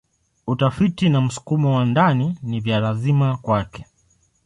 Utafiti na msukumo wa ndani ni vya lazima kwake.